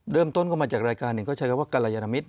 เริ่มต้นก็มาจากรายการหนึ่งก็ใช้คำว่ากรยานมิตร